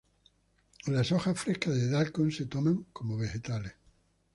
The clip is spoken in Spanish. Las hojas frescas de "daikon" se toman como vegetales.